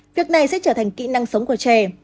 việc này sẽ trở thành kỹ năng sống của trẻ